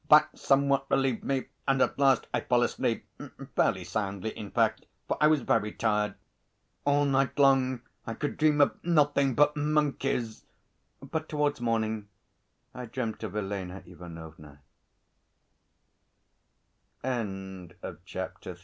That somewhat relieved me, and at last I fell asleep fairly soundly, in fact, for I was very tired. All night long I could dream of nothing but monkeys, but towards morning I dreamt of Ele